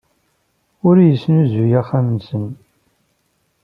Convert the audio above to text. Ur yesnuzuy axxam-nnes.